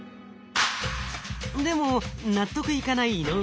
でも納得いかない井上さん。